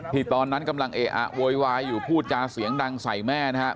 ตอนนั้นกำลังเอะอะโวยวายอยู่พูดจาเสียงดังใส่แม่นะฮะ